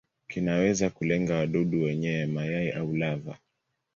Kinaweza kulenga wadudu wenyewe, mayai au lava.